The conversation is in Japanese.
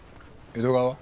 江戸川は？